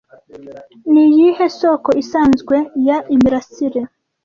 Niyihe soko isanzwe ya imirasire